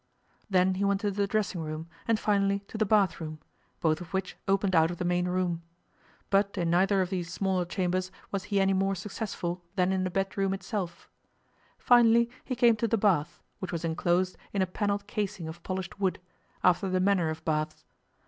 Then he went to the dressing room, and finally to the bathroom, both of which opened out of the main room. But in neither of these smaller chambers was he any more successful than in the bedroom itself. Finally he came to the bath, which was enclosed in a panelled casing of polished wood, after the manner of baths.